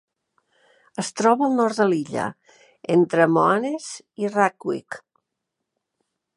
Es troba al nord de l'illa, entre Moaness i Rackwick.